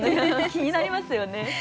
気になりますよね。